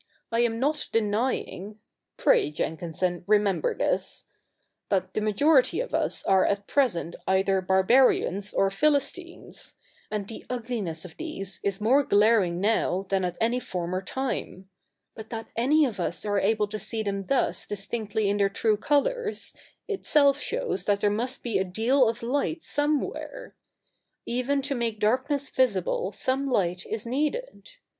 I am not denying (pray, Jenkinson, remember this) that the majority of us are at present either Barbarians or Philistines : and the ugliness of these is more glaring now than at any former time. But that any of us are able to see them thus distinctly in their true colours, itself shows that there must be a deal of light somewhere. Even to make darkness visible some light is needed.